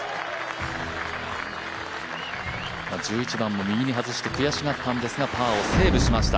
１１番も右に外して悔しがったんですが、パーをセーブしました。